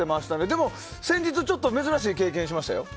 でも、先日ちょっと珍しい経験しましたよ。